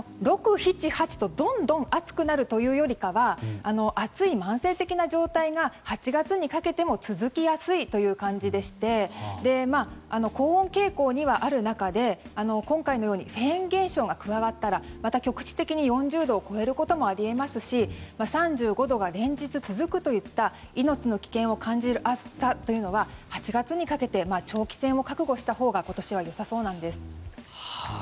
６、７、８とどんどん暑くなるというよりかは暑い慢性的な状態が８月にかけても続きやすいという感じでして高温傾向にはある中で今回のようにフェーン現象が加わったら局地的に４０度を超えるところもありますし３５度が連日続くといった命の危険を感じる暑さというのは８月にかけて長期戦を覚悟したほうが今年はよさそうなんです。